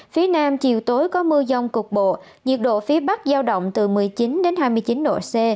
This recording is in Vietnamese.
phía nam chiều tối có mưa dông cục bộ nhiệt độ phía bắc giao động từ một mươi chín đến hai mươi chín độ c